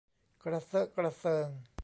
กระเซอะกระเซิง